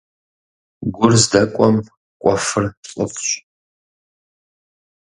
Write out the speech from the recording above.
Гур здэкӀуэм кӀуэфыр лӀыфӀщ.